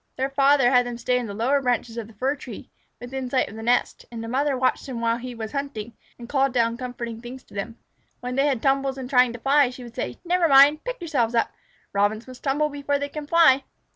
Their father had them stay in the lower branches of the fir tree, within sight of the nest, and the mother watched them while he was hunting, and called down comforting things to them. When they had tumbles in trying to fly, she would say: "Never mind! Pick yourselves up! Robins must tumble before they can fly.